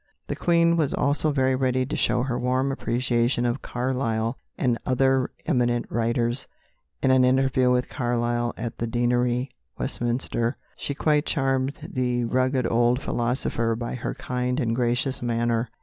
The Queen was also very ready to show her warm appreciation of Carlyle and other eminent writers. In an interview with Carlyle, at the Deanery, Westminster, she quite charmed the rugged old philosopher by her kind and gracious manner.